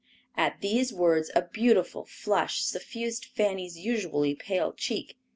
At these words a beautiful flush suffused Fanny's usually pale cheek.